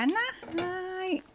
はい。